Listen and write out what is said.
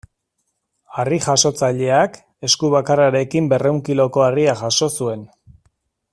Harri-jasotzaileak, esku bakarrarekin berrehun kiloko harria jaso zuen.